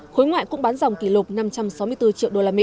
khối ngoại cũng bán dòng kỷ lục năm trăm sáu mươi bốn